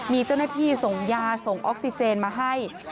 มีเจ้าหน้าที่ส่งยาส่งออกซิเจนมาให้